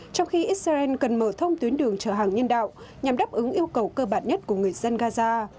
trong khi israel cần mở thông tuyến đường trợ hàng nhân đạo nhằm đáp ứng yêu cầu cơ bản nhất của người dân gaza